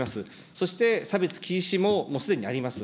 そして差別禁止ももうすでにあります。